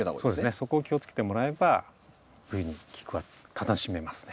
そこを気をつけてもらえば冬にキク科楽しめますね。